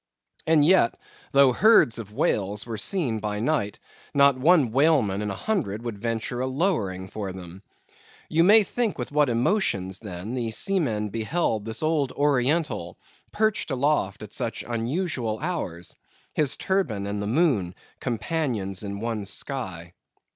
And yet, though herds of whales were seen by night, not one whaleman in a hundred would venture a lowering for them. You may think with what emotions, then, the seamen beheld this old Oriental perched aloft at such unusual hours; his turban and the moon, companions in one sky.